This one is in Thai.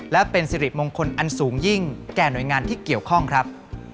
และเป็นสิริมงคลอันสูงยิ่งแก่หน่วยงานที่เกี่ยวข้องครับ